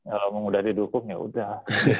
kalau memang udah didukung ya udah